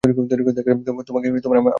তোমাকে আমার বাইকে করে নিয়ে যাব।